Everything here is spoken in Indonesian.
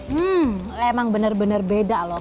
hmm emang benar benar beda loh